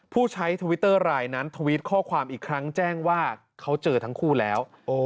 ผู้ใช้ทวิตเตอร์รายนั้นทวิตข้อความอีกครั้งแจ้งว่าเขาเจอทั้งคู่แล้ว